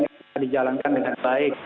bisa dijalankan dengan baik